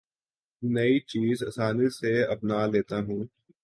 نئی چیزیں آسانی سے اپنا لیتا ہوں